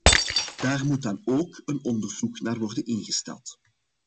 Daar moet dan ook een onderzoek naar worden ingesteld.